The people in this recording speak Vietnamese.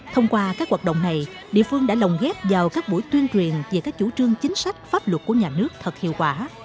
thông qua các hoạt động này địa phương đã lồng ghép vào các buổi tuyên truyền về các chủ trương chính sách pháp luật của nhà nước thật hiệu quả